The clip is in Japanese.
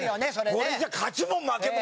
これじゃ勝ちも負けも。